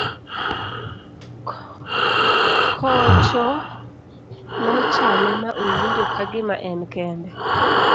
kocho nochame ma owinjo ka gima en kende